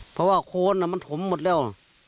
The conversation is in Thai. เพราะว่าโคนมันถมหมดแล้ว